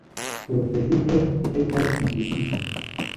Profesie, li estas instruisto.